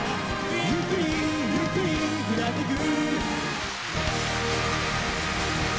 「ゆっくりゆっくり下ってく」